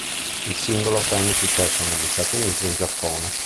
Il singolo ottenne successo negli Stati Uniti e in Giappone.